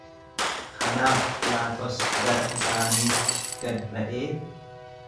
Kanaaf Philaaxos gara isaaniitti gad ba'ee,